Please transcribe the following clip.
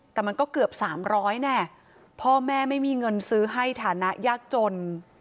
แต่มันก็เกือบ๓๐๐แน่พ่อแม่ไม่มีเงินซื้อให้ฐานะยากจน